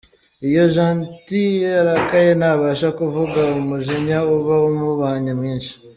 Iyo Gentil arakaye ntabasha kuvuga umujinya uba wamubanye mwinshi.